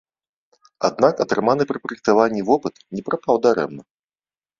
Аднак атрыманы пры праектаванні вопыт не прапаў дарэмна.